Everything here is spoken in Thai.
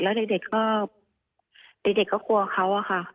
แล้วเด็กก็กลัวเขา